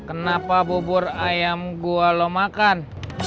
hai kenapa bubur ayam gua lo makan